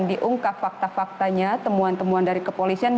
diungkap fakta faktanya temuan temuan dari kepolisian